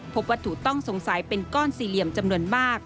พบวัตถุต้องสงสัยเป็นก้อนสี่เหลี่ยมจำนวนมาก